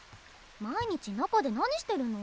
毎日中で何してるの？